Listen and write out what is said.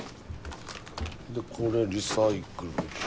でこれリサイクルでしょ。